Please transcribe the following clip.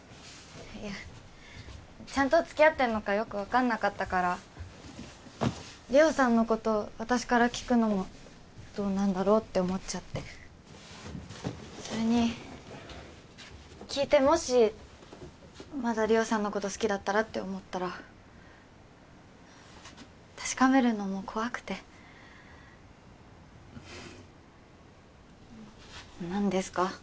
いやちゃんと付き合ってんのかよく分かんなかったから理緒さんのこと私から聞くのもどうなんだろうって思っちゃってそれに聞いてもしまだ理緒さんのこと好きだったらって思ったら確かめるのも怖くて何ですか？